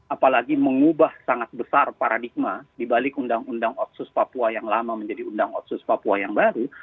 apalagi mengubah sangat besar paradigma dibalik undang undang otsus papua yang lama menjadi undang otsus papua yang baru